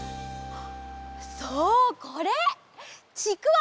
そうこれ！ちくわ！